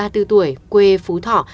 ba mươi bốn tuổi quê phú thỏ